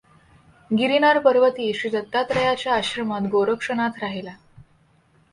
गिरिनारपर्वतीं श्रीदत्तात्रेयाच्या आश्रमांत गोरक्षनाथ राहिला.